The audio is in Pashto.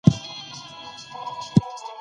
مکسیکو امریکا ته اوبه ورکوي.